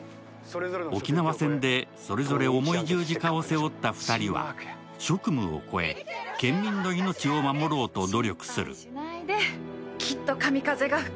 沖縄戦でそれぞれ重い十字架を背負った２人は職務を越え、県民の命を守ろうと努力する。